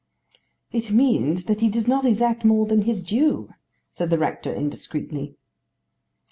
"It means that he does not exact more than his due," said the rector indiscreetly.